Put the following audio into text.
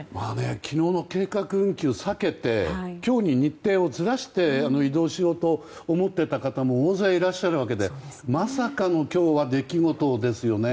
昨日の計画運休を避けて今日に日程をずらして移動しようと思っていた方も大勢いらっしゃるわけでまさかの今日は、出来事ですね。